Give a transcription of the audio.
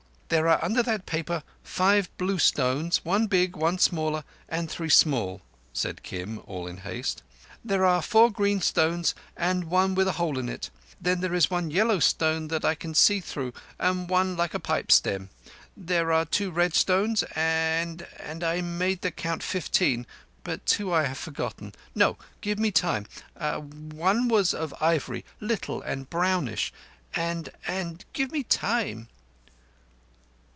"There are under that paper five blue stones—one big, one smaller, and three small," said Kim, all in haste. "There are four green stones, and one with a hole in it; there is one yellow stone that I can see through, and one like a pipe stem. There are two red stones, and—and—I made the count fifteen, but two I have forgotten. No! Give me time. One was of ivory, little and brownish; and—and—give me time..."